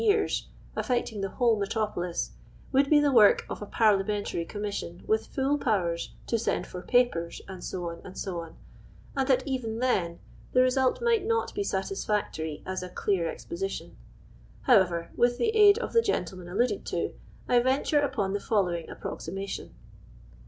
year.<«, aifoctii.g the whole metrojjolis, would be tile wosk of a parliamentary commission with full powers " to send for j apers," &c., «S:c., r.nd that even Uri*. ih result might not be satisfactory as a cl.'ar expo:,iii<in. However, Avith the aid of the g. ntleiuen alluded to, I venture upon the following approximation.